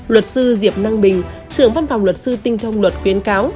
luật sư diệp năng bình trưởng văn phòng luật sư tinh thông luật khuyến cáo